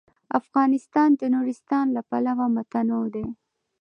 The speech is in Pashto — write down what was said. افغانستان د نورستان له پلوه متنوع دی.